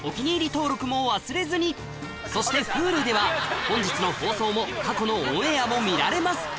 登録も忘れずにそしてＨｕｌｕでは本日の放送も過去のオンエアも見られます